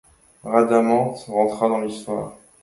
Rhadamante rentra dans l’histoire.